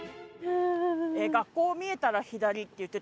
学校見えたら左って言ってたよ。